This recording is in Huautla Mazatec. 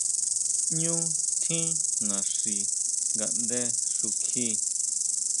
Ñú tjín naxi ngaʼndé xukji.